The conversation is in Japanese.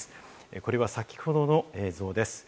これは先ほどの映像です。